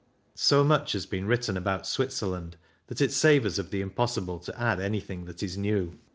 So much has been written about Switzerland that it savours of the impos sible to add anything that is new.